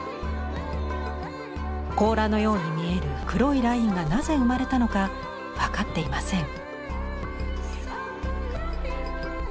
甲羅のように見える黒いラインがなぜ生まれたのか分かっていません。